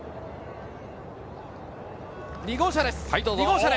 ２号車です。